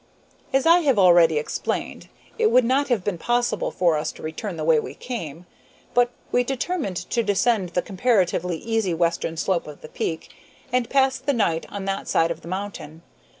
As I have already explained, it would not have been possible for us to return the way we came. We determined to descend the comparatively easy western slopes of the peak, and pass the night on that side of the mountain.